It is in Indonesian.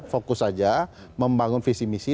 fokus saja membangun visi misi